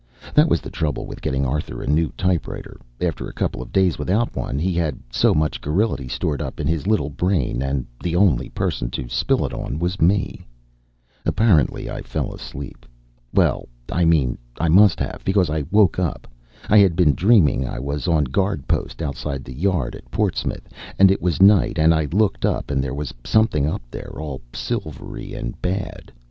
That was the trouble with getting Arthur a new typewriter after a couple of days without one he had so much garrulity stored up in his little brain, and the only person to spill it on was me. Apparently I fell asleep. Well, I mean I must have, because I woke up. I had been dreaming I was on guard post outside the Yard at Portsmouth, and it was night, and I looked up and there was something up there, all silvery and bad.